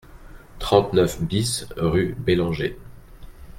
trente-neuf BIS rue Bellanger